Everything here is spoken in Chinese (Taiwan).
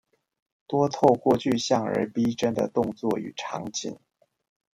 多透過具象而逼真的動作與場景